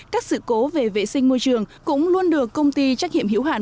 các sự cố về vệ sinh môi trường cũng luôn được công ty trách hiểm hữu hạn